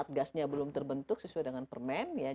satgasnya belum terbentuk sesuai dengan permen